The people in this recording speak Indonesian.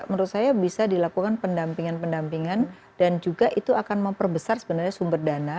menurut saya bisa dilakukan pendampingan pendampingan dan juga itu akan memperbesar sebenarnya sumber dana